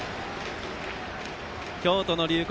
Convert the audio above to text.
京都の龍谷